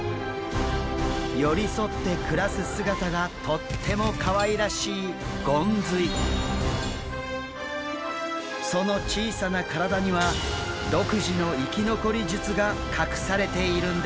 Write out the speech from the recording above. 寄り添って暮らす姿がとってもかわいらしいその小さな体には独自の生き残り術が隠されているんです。